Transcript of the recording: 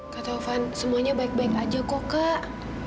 kak taufan semuanya baik baik aja kok kak